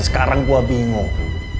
dan sekarang gua bingung